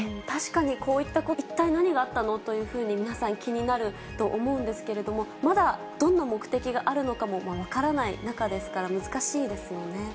確かにこういったことを聞くと、えっ、一体何があったの？というふうに、皆さん気になると思うんですけれども、まだどんな目的があるのかも分からない中ですから、難しいですよね。